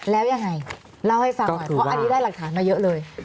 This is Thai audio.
แล้วยังไงเล่าให้ฟังหน่อยเพราะอันนี้ได้หลักฐานมาเยอะเลย